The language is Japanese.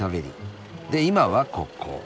で今はここ。